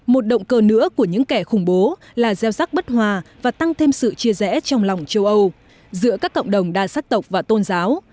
một động cơ nữa của những kẻ khủng bố là gieo rắc bất hòa và tăng thêm sự chia rẽ trong lòng châu âu giữa các cộng đồng đa sắc tộc và tôn giáo